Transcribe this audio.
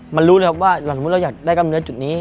มันรู้เลยครับว่าสมมุติเราอยากได้กล้ามเนื้อจุดนี้